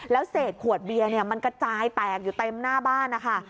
แล้วเศษขวดเบียร์มันกระจายแตกอยู่เต็มหน้าบ้านนะคะ